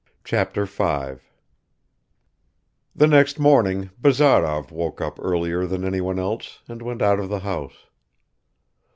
Chapter 5 THE NEXT MORNING BAZAROV WOKE UP EARLIER THAN ANYONE else and went out of the house.